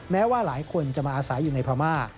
แม้ว่าหลายคนจะมาอาศัยอยู่ในพม่า